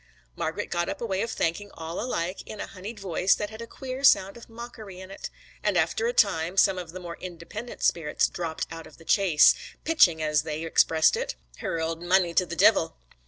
Margret got up a way of thanking all alike in a honeyed voice that had a queer sound of mockery in it, and after a time some of the more independent spirits dropped out of the chase, 'pitching,' as they expressed it, 'her ould money to the divil.'